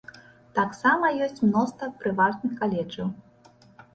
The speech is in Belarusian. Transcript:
Таксама ёсць мноства прыватных каледжаў.